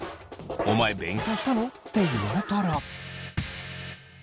お前勉強したの？って言われたら。